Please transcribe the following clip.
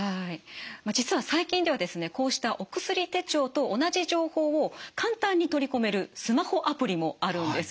実は最近ではですねこうしたお薬手帳と同じ情報を簡単に取り込めるスマホアプリもあるんです。